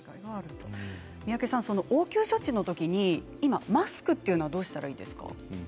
応急処置のときに今マスクというのはどうしたらいいですか？